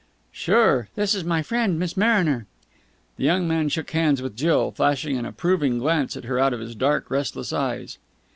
"Sure. This is my friend, Miss Mariner." The young man shook hands with Jill, flashing an approving glance at her out of his dark, restless eyes.